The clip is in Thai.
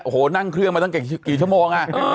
โอ้โหนั่งเครื่องมาตั้งกี่ชั่วโมง